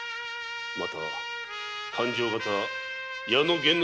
また勘定方・矢野玄之